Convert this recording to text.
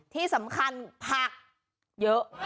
ที่สำคัญผักเยอะ